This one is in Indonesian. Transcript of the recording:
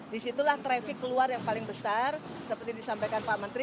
disitulah traffic keluar yang paling besar seperti disampaikan pak menteri